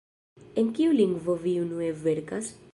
En kiu lingvo vi unue verkas?